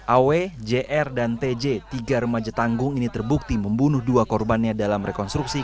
aw jr dan tj tiga remaja tanggung ini terbukti membunuh dua korbannya dalam rekonstruksi